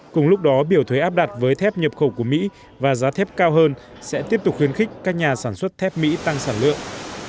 cùng lúc đó biểu thuế áp đặt với thép nhập khẩu của mỹ và giá thép cao hơn sẽ tiếp tục khuyến khích các nhà sản xuất thép mỹ tăng sản lượng